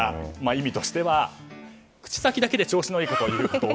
意味としては口先だけで調子のいいことを言うこと。